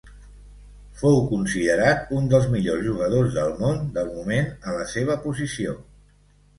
Fou considerat un dels millors jugadors del món del moment a la seva posició.